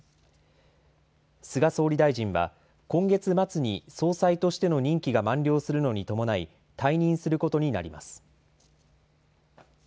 菅総理大臣は、今月末に総裁としての任期が満了するのに伴い、退任することになります。